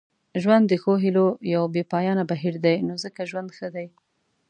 ژوند د ښو هیلو یو بې پایانه بهیر دی نو ځکه ژوند ښه دی.